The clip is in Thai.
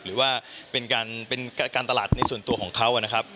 หรือว่าเป็นการตลาดในส่วนตัวของเขานะครับ